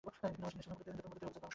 বিপিন এবং শ্রীশের বন্ধুত্ব অবিচ্ছেদ্য।